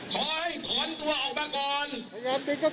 ขอให้ถอนตัวออกมาก่อน